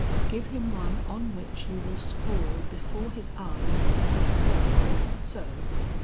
Give him one on which you will scrawl before his eyes, a circle, so.